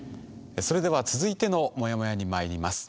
それでは続いてのモヤモヤにまいります。